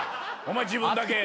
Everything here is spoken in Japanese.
お前自分だけ。